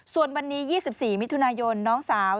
ส่วนวันนี้๒๔มิถุนายนน้องสาว